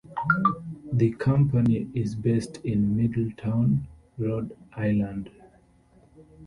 The company is based in Middletown, Rhode Island.